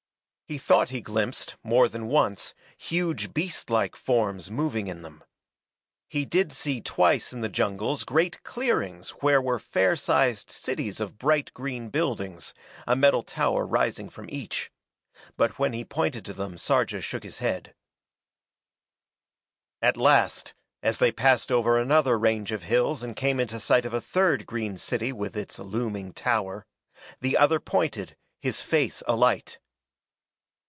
He thought he glimpsed, more than once, huge beastlike forms moving in them. He did see twice in the jungles great clearings where were fair sized cities of bright green buildings, a metal tower rising from each. But when he pointed to them Sarja shook his head. At last, as they passed over another range of hills and came into sight of a third green city with its looming tower, the other pointed, his face alight.